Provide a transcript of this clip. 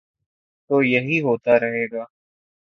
تو یہی ہو تا رہے گا۔